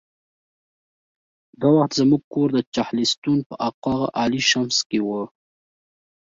دا وخت زموږ کور د چهلستون په اقا علي شمس کې و.